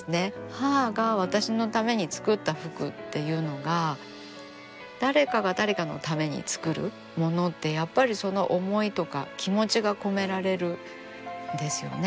母が私のために作った服っていうのが誰かが誰かのために作るものってやっぱりその思いとか気持ちが込められるんですよね。